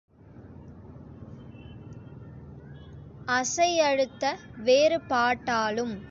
அசையழுத்த வேறுபாட்டாலும்